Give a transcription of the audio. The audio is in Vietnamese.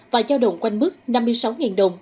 và giao động quanh bức năm mươi sáu đồng